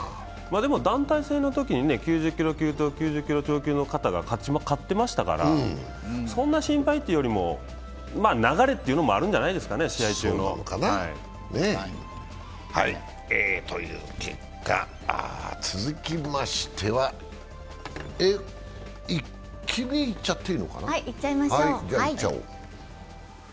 でも団体戦のときに９０キロ級と９０キロ超級の方が勝ってましたからそんな心配というよりも流れというのもあるんじゃないですかね、試合中の続きましては、「イッキ見」いっちゃっていいのかな。